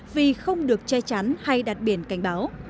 vì không được che chắn hay đặt biển cảnh báo